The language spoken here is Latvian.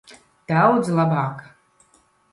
Daudz labāk.